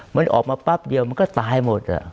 มันออกมาแป๊บเดียวมันก็ตายหมด